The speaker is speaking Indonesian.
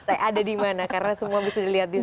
saya ada dimana karena semua bisa dilihat disitu